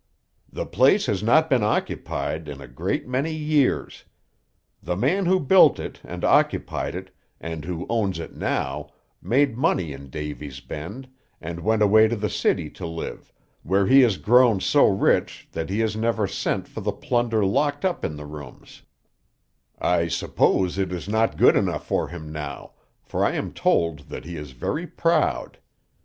"The place has not been occupied in a great many years. The man who built it, and occupied it, and who owns it now, made money in Davy's Bend, and went away to the city to live, where he has grown so rich that he has never sent for the plunder locked up in the rooms; I suppose it is not good enough for him now, for I am told that he is very proud.